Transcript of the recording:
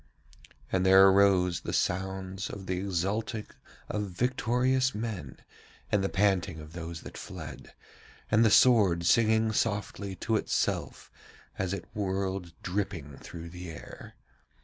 And there arose the sounds of the exulting of victorious men, and the panting of those that fled, and the sword singing softly to itself as it whirled dripping through the air.